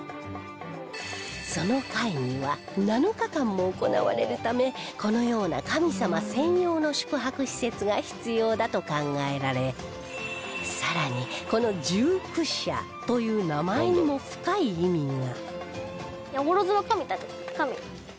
その会議は７日間も行われるためこのような神様専用の宿泊施設が必要だと考えられさらにこの「十九社」という名前にも深い意味が